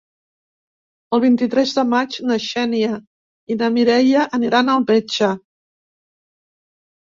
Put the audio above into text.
El vint-i-tres de maig na Xènia i na Mireia aniran al metge.